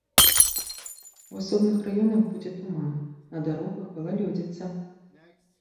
У асобных раёнах будзе туман, на дарогах галалёдзіца.